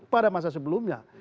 pada masa sebelumnya